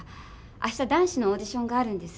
明日男子のオーディションがあるんです。